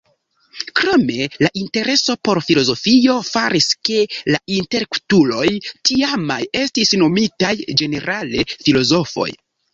Krome la intereso por filozofio faris ke la intelektuloj tiamaj estis nomitaj ĝenerale "filozofoj".